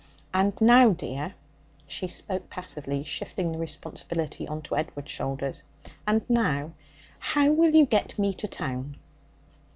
And now, dear' (she spoke passively, shifting the responsibility on to Edward's shoulders) 'and now, how will you get me to town?'